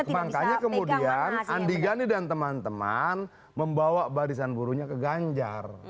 makanya kemudian andi gani dan teman teman membawa barisan buruhnya ke ganjar